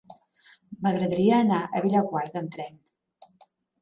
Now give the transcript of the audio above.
M'agradaria anar a Bellaguarda amb tren.